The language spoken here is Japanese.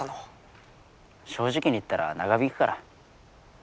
正直に言ったら長引くから。